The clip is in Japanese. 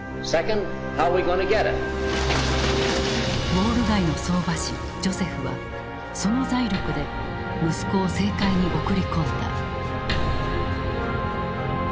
ウォール街の相場師ジョセフはその財力で息子を政界に送り込んだ。